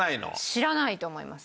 知らないと思います。